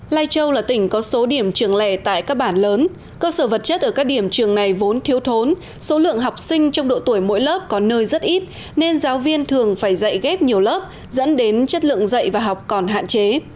lai châu là tỉnh có số điểm trường lẻ tại các bản lớn cơ sở vật chất ở các điểm trường này vốn thiếu thốn số lượng học sinh trong độ tuổi mỗi lớp có nơi rất ít nên giáo viên thường phải dạy ghép nhiều lớp dẫn đến chất lượng dạy và học còn hạn chế